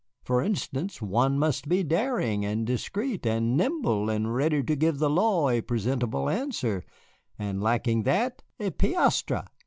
For instance, one must be daring, and discreet, and nimble, and ready to give the law a presentable answer, and lacking that, a piastre.